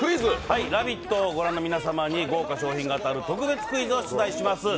「ラヴィット！」をご覧の皆様に豪華賞品が当たる特別クイズを出題します。